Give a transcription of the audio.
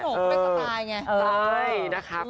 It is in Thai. แต่พี่หนุ่มก็สะตายไง